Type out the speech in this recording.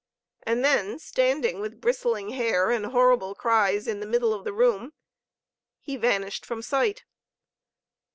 And then, standing with bristling hair and horrible cries in the middle of the room, he vanished from sight.